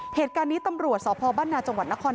เหตุการณ์นี้ตำรวจสพบ้านนาจังหวัดนคร